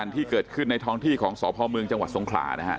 ที่เกิดขึ้นในท้องที่ของสพเมืองจังหวัดสงขลานะฮะ